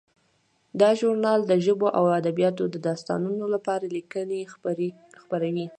دا ژورنال د ژبو او ادبیاتو د استادانو لپاره لیکنې خپروي.